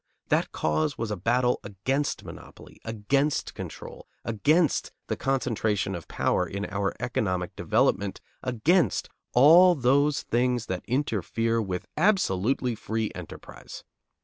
That cause was a battle against monopoly, against control, against the concentration of power in our economic development, against all those things that interfere with absolutely free enterprise.